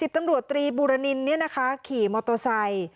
๑๐ตำรวจตรีบูรณินเนี่ยนะคะขี่มอเตอร์ไซค์